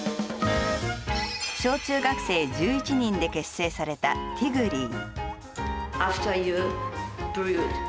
小中学生１１人で結成された、てぃぐりー。